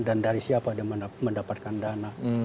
dan dari siapa dia mendapatkan dana